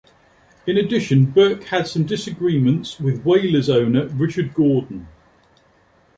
In addition, Burke had some disagreements with Whalers Owner Richard Gordon.